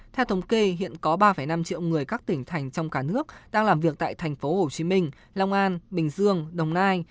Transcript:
theo thống kê hiện có ba năm triệu người các tỉnh thành trong cả nước đang làm việc tại tp hcm long an bình dương đồng nai